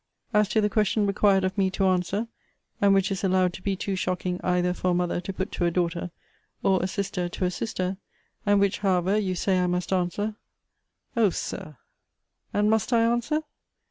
As to the question required of me to answer, and which is allowed to be too shocking either for a mother to put to a daughter, or a sister to a sister; and which, however, you say I must answer; O Sir! And must I answer?